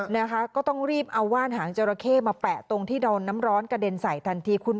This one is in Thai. นะคะก็ต้องรีบเอาว่านหางจราเข้มาแปะตรงที่โดนน้ำร้อนกระเด็นใส่ทันทีคุณ